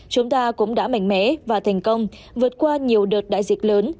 chúng ta cũng đã mạnh mẽ và thành công vượt qua nhiều đợt đại dịch lớn